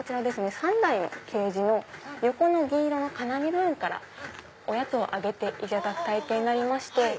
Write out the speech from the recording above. ３台のケージの横の銀色の金網部分からおやつをあげていただく体験になりまして。